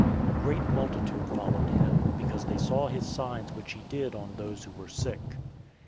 006:002 A great multitude followed him, because they saw his signs which he did on those who were sick.